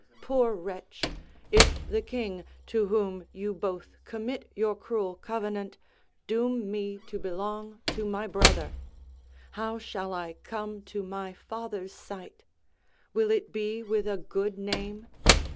Poor wretch! if the king, to whom you both commit your cruel covenant, doom me to belong to my brother. How shall I come to my father's sight? Will it be with a good name?